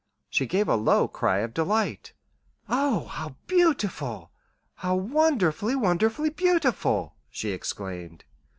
She gave a low cry of delight. "Oh, how beautiful how wonderfully, wonderfully beautiful!" she exclaimed.